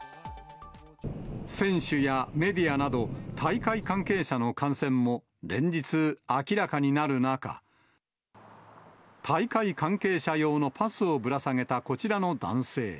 選手やメディアなど、大会関係者の感染も連日、明らかになる中、大会関係者用のパスをぶら下げたこちらの男性。